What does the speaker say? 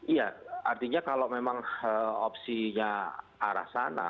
iya artinya kalau memang opsinya arah sana